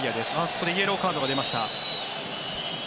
ここでイエローカードが出ました。